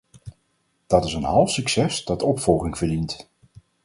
Dat is een half succes dat opvolging verdient.